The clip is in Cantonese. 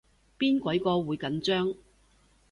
邊鬼個會緊張